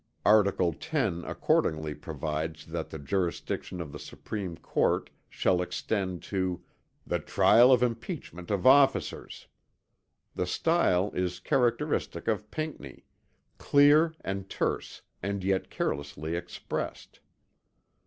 Article 10 accordingly provides that the jurisdiction of the Supreme Court shall extend to "the trial of impeachment of officers." The style is characteristic of Pinckney; clear and terse and yet carelessly expressed.